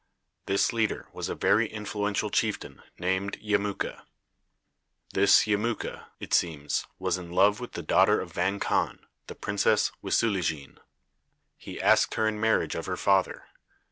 This leader was a very influential chieftain named Yemuka. This Yemuka, it seems, was in love with the daughter of Vang Khan, the Princess Wisulujine. He asked her in marriage of her father.